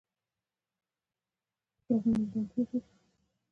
هغه د ټېپ مزي ورسمول.